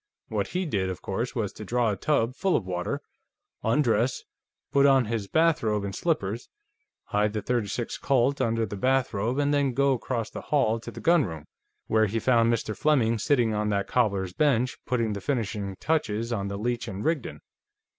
What he did, of course, was to draw a tub full of water, undress, put on his bathrobe and slippers, hide the .36 Colt under the bathrobe, and then go across the hall to the gunroom, where he found Mr. Fleming sitting on that cobbler's bench, putting the finishing touches on the Leech & Rigdon.